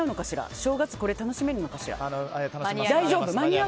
正月に楽しめるのかしら。